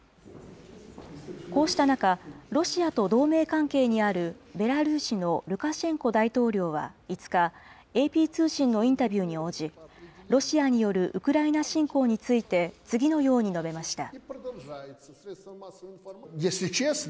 こうした中、ロシアと同盟関係にあるベラルーシのルカシェンコ大統領は５日、ＡＰ通信のインタビューに応じ、ロシアによるウクライナ侵攻について、次のように述べました。